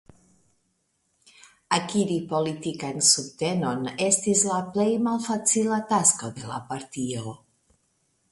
Akiri politikan subtenon estis la plej malfacila tasko de la partio.